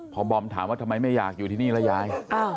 พอบอมถามว่าทำไมไม่อยากอยู่ที่นี่ล่ะยาย